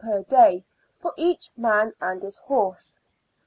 per day for each man and his horse.